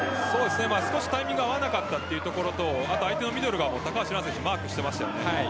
少し、タイミング合わなかったというところと相手のミドルが、高橋藍選手をマークしていましたよね。